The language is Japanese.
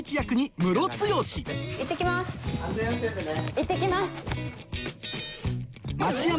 いってきます。